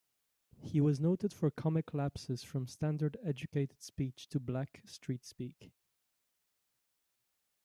He was noted for comic lapses from standard educated speech to Black street-speak.